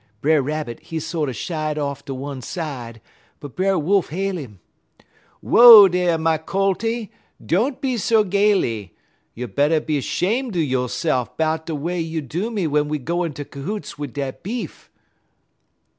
Brer Rabbit, he sorter shied off ter one side, but Brer Wolf hail 'im: "'W'oa dar, my colty! don't be so gayly. You better be 'shame' yo'se'f 'bout de way you do me w'en we go inter cahoots wid dat beef.'